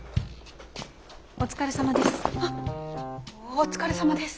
お疲れさまです。